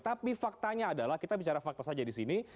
tapi faktanya adalah kita bicara fakta saja di sini